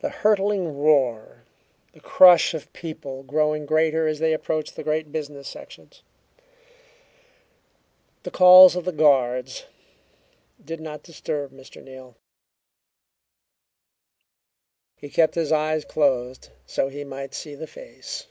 The hurtling roar, the crush of people growing greater as they approached the great business sections, the calls of the guards, did not disturb Mr. Neal. He kept his eyes closed so he might see the face.